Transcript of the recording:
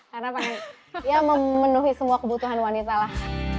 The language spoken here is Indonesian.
karena pengen ya memenuhi semua kebutuhan wanita lah